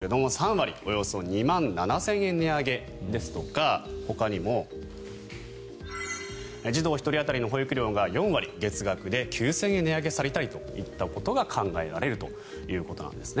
例えばこちら、国民健康保険料の年間１人当たりですが３割、およそ２万７０００円値上げですとかほかにも児童１人当たりの保育料が４割月額で９０００円値上げされたりということが考えられるということです。